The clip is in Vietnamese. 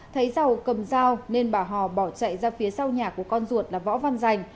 thấy giàu cầm dao nên bà hò bỏ chạy ra phía sau nhà của con ruột là võ văn dành